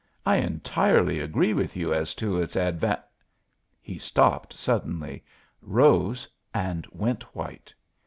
I entirely agree with you as to its advant " He stopped suddenly, rose and went white.